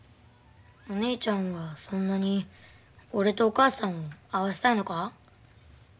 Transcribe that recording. お姉ちゃんはそんなに俺とお母さんを会わせたいのか？